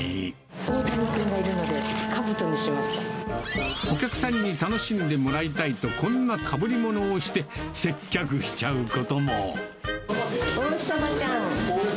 大谷君がいるので、かぶとにお客さんに楽しんでもらいたいと、こんなかぶりものをして、接客しちゃうことも。